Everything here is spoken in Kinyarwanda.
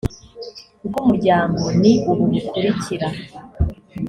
rw umuryango ni ubu bukurikira